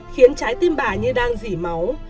khiến trái tim bà như đang rỉ máu